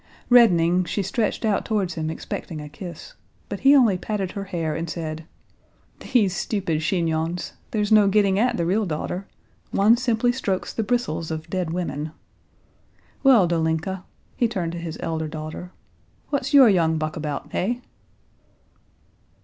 Reddening, she stretched out towards him expecting a kiss, but he only patted her hair and said: "These stupid chignons! There's no getting at the real daughter. One simply strokes the bristles of dead women. Well, Dolinka," he turned to his elder daughter, "what's your young buck about, hey?"